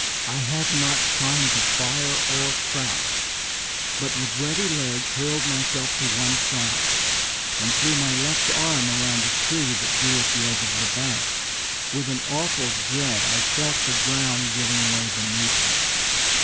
I had not time to fire or crouch, but with ready legs hurled myself to one side, and threw my left arm around the tree that grew at the edge of the bank. With an awful dread I felt the ground giving way beneath me.